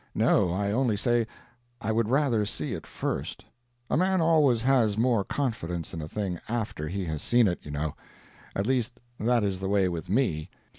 No, I only say I would rather see it first. A man always has more confidence in a thing after he has seen it, you know; at least that is the way with me.